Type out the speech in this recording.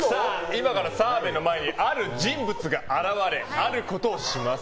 今から澤部の前にある人物が現れあることをします。